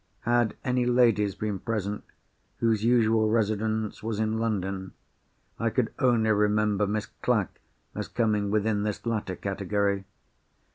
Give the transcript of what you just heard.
Had any ladies been present, whose usual residence was in London? I could only remember Miss Clack as coming within this latter category.